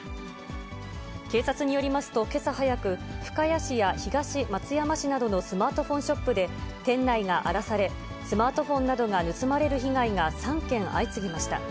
警察によりますと、けさ早く、深谷市や東松山市などのスマートフォンショップで、店内が荒らされ、スマートフォンなどが盗まれる被害が３件相次ぎました。